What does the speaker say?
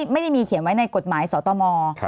ไม่ได้มีเขียนไว้ในกฎหมายสตม